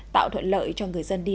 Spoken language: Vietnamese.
tạo thuận lợi cho người dân địa phương